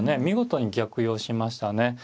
見事に逆用しましたね。